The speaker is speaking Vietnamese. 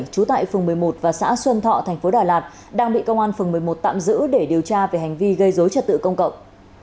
trú tại phường một mươi một và xã xuân thọ tp đà lạt đang bị công an phường một mươi một tạm giữ để điều tra về hành vi gây dối trật tự công cộng